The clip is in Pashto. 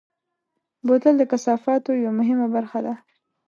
بوتل د کثافاتو یوه مهمه برخه ده.